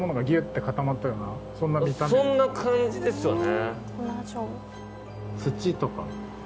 そんな感じですよね。